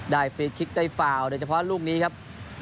ฟรีคลิกได้ฟาวโดยเฉพาะลูกนี้ครับ